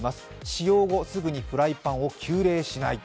使用後すぐにフライパンを急冷しない。